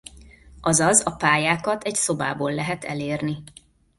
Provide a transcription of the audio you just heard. Azaz a pályákat egy szobából lehet elérni.